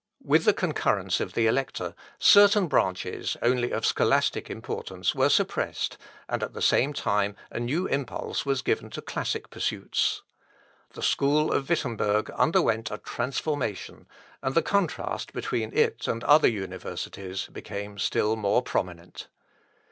With the concurrence of the Elector, certain branches, only of scholastic importance, were suppressed, and at the same time a new impulse was given to classic pursuits. The school of Wittemberg underwent a transformation, and the contrast between it and other universities became still more prominent.